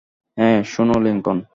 হ্যাঁ, শোনো, লিংকন।